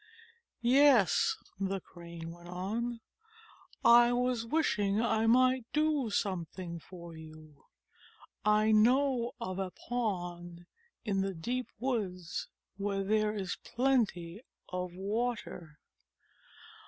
'Yes," the Crane went on, "I was wishing I might do something for you. I know of a pond in the deep woods where there is plenty of water."